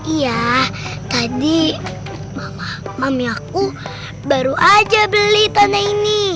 iya tadi mama mami aku baru aja beli tanah ini